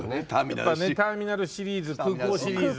ターミナルシリーズ空港シリーズ。